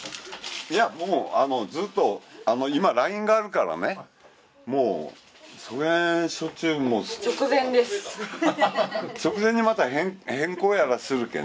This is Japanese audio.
いやもうあのずっと今ＬＩＮＥがあるからねもうそげんしょっちゅう直前にまた変更やらするけんね